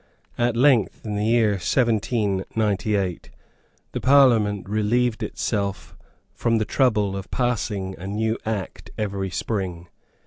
At length, in the year 1798, the Parliament relieved itself from the trouble of passing a new Act every spring.